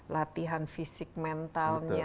latihan fisik mentalnya